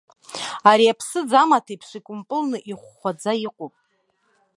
Ари аԥсыӡ амаҭеиԥш, икәымпылны ихәхәаӡа иҟоуп.